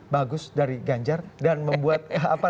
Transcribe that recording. bagus dari ganjar dan membuat apa